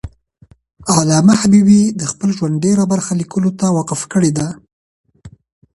علامه حبیبي د خپل ژوند ډېره برخه لیکلو ته وقف کړی ده.